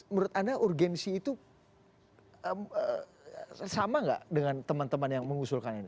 menurut anda urgensi itu sama nggak dengan teman teman yang mengusulkan ini